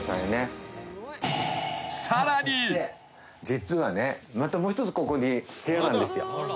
実はねまたもう一つここに部屋があるんですよ。